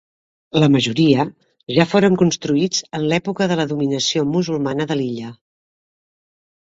La majoria, ja foren construïts en l'època de la dominació musulmana de l'illa.